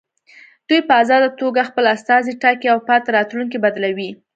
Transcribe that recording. دوی په ازاده توګه خپل استازي ټاکي او پاتې راتلونکي بدلوي.